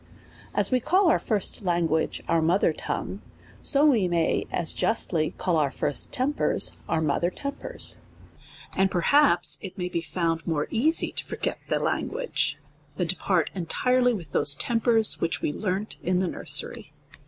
As we call our first language our mother tongue, so we may as justly call out first tempers our motiicr tem pers ; and perhaps it may be found more easy to for get the language, than to part entirely with those tem pers which we learnt in the nursery.